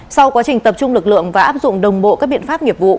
sau quá trình tập trung lực lượng và áp dụng đồng bộ các biện pháp nghiệp vụ